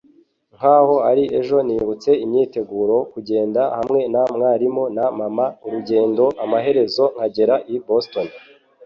Nkaho ari ejo nibutse imyiteguro, kugenda hamwe na mwarimu na mama, urugendo, amaherezo nkagera i Boston.